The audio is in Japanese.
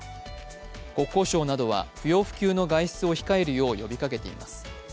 国交省などは不要不急の外出を控えるよう呼びかけています。